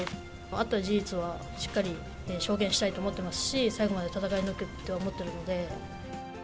あった事実はしっかり証言したいと思ってますし、最後まで戦い抜くと思っていますので。